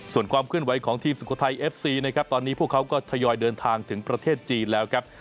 ส่วนความเคลื่อนไหวของทีมสุโขทัยเอฟซีนะครับตอนนี้พวกเขาก็ทยอยเดินทางถึงประเทศจีนแล้วครับ